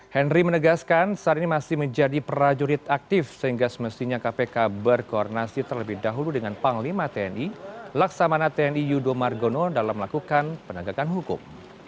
henry menegaskan saat ini masih menjadi prajurit aktif sehingga semestinya kpk berkoordinasi terlebih dahulu dengan panglima tni laksamana tni yudho margono dalam melakukan penegakan hukum